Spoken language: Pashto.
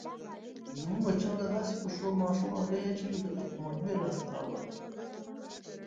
زموږ چرګه داسې په شور ماشور هګۍ اچوي لکه کومه لویه لاسته راوړنه.